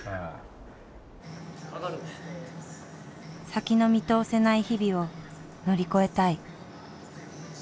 先の見通せない日々を乗り越えたい。